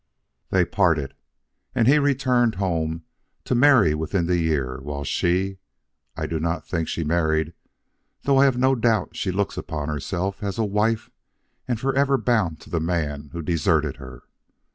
They parted, and he returned home, to marry within the year, while she I do not think she married though I have no doubt she looks upon herself as a wife and forever bound to the man who deserted her.